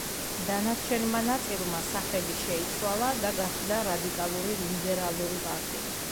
დანარჩენმა ნაწილმა სახელი შეიცვალა და გახდა რადიკალური ლიბერალური პარტია.